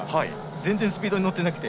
全然スピードに乗っていなくて。